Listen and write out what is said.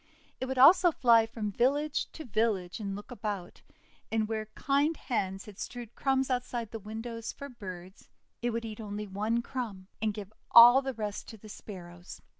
It would also fly from village to village and look about. And where kind hands had strewed crumbs outside the windows for birds, it would 410 THE WONDER GARDEN eat only one crumb, and give all the rest to the Sparrows.